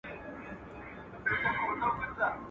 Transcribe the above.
o ښه کيسه بل ته کوه، ښه خواړه خپل ته ورکوه.